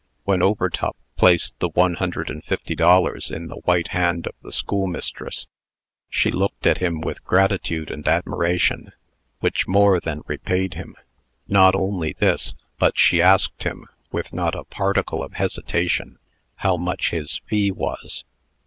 "When Overtop placed the one hundred and fifty dollars in the white hand of the schoolmistress, she looked at him with gratitude and admiration, which more than repaid him. Not only this, but she asked him, with not a particle of hesitation, how much his fee was.